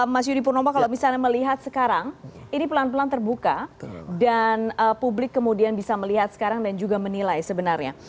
mas yudi purnomo kalau misalnya melihat sekarang ini pelan pelan terbuka dan publik kemudian bisa melihat sekarang dan juga menilai sebenarnya